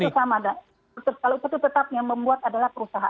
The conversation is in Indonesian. struktur skala upah itu tetap yang membuat adalah perusahaan